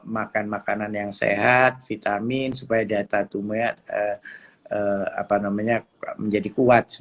makan makanan yang sehat vitamin supaya data tubuhnya menjadi kuat